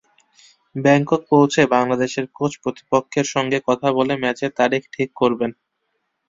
Bangkok পৌঁছে বাংলাদেশের coach প্রতিপক্ষের সঙ্গে কথা বলে ম্যাচের তারিখ ঠিক করবেন।